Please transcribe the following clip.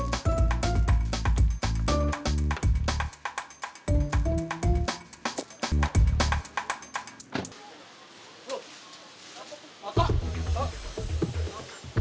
lo kenapa toh